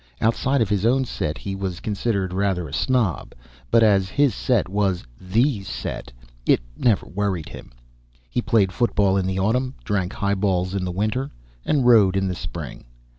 Outside of his own set he was considered rather a snob, but as his set was THE set, it never worried him. He played football in the autumn, drank high balls in the winter, and rowed in the spring.